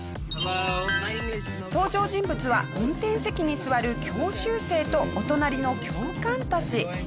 登場人物は運転席に座る教習生とお隣の教官たち。